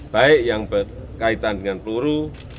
baik yang berkaitan dengan peluru